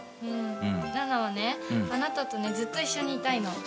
奈々はねあなたとねずっと一緒にいたいの。